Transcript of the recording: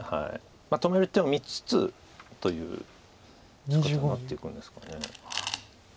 止める手を見つつという打ち方になっていくんですか。